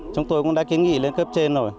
chúng tôi cũng đã kiến nghị lên cấp trên rồi